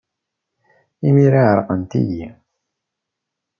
Imir-a, ɛerqent-iyi.